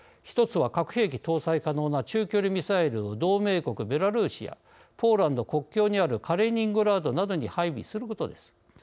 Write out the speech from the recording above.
１つは核兵器搭載可能な中距離ミサイルを同盟国ベラルーシやポーランド国境にあるカリーニングラードなどに配備することです。